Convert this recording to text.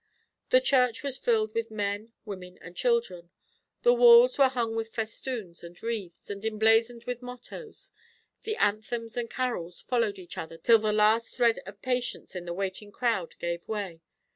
The church was filled with men, women, and children; the walls were hung with festoons and wreaths, and emblazoned with mottoes; the anthems and carols followed each other till the last thread of patience in the waiting crowd gave way.